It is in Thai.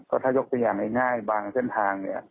ก็ถ้ายกตัวอย่างง่ายบางเส้นทางเนี่ย